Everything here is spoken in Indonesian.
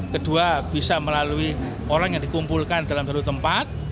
kedua bisa melalui orang yang dikumpulkan dalam satu tempat